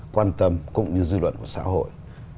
quan tâm cũng như dư luận của xã hội